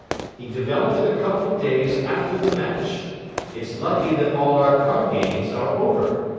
He developed it a couple of days after the match. It's lucky that all our card games are over.